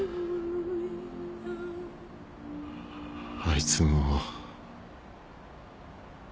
あいつの。